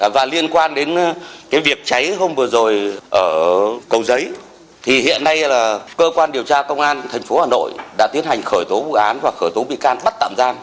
và liên quan đến cái việc cháy hôm vừa rồi ở cầu giấy thì hiện nay là cơ quan điều tra công an thành phố hà nội đã tiến hành khởi tố vụ án hoặc khởi tố bị can bắt tạm giam